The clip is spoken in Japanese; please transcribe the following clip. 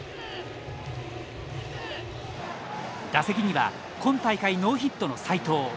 打席には今大会ノーヒットの斎藤。